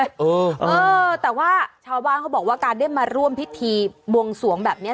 เออเออแต่ว่าชาวบ้านเขาบอกว่าการได้มาร่วมพิธีบวงสวงแบบนี้